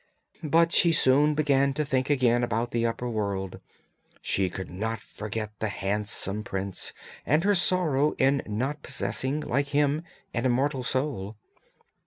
But she soon began to think again about the upper world, she could not forget the handsome prince and her sorrow in not possessing, like him, an immortal soul.